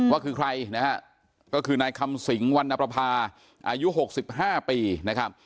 ว่าคือใครนะครับก็คือนายคำสิงห์วันนัปราภาอายุ๖๕ปีนะครับ